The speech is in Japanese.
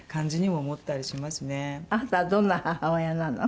あなたはどんな母親なの？